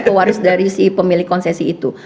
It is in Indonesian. pewaris dari si pemilik konsesi itu